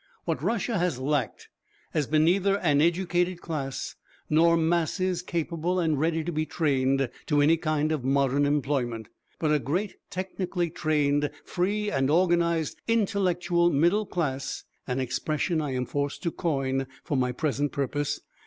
What Russia has lacked has been neither an educated class nor masses capable and ready to be trained to any kind of modern employment, but a great technically trained, free and organised "intellectual middle class" an expression I am forced to coin for my present purpose.